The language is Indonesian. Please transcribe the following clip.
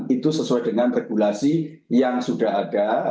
itu sesuai dengan regulasi yang sudah ada